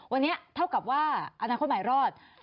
วันนี้เท่ากับว่าอนาคตใหม่รอด